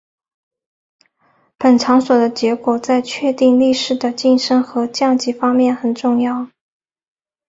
本场所的结果在确定力士的晋升和降级方面很重要。